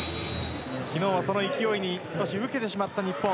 昨日はその勢いを受けてしまった日本。